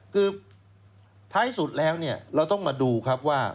คือท้ายสุดแล้วเนี่ยเราต้องมาดูครับว่า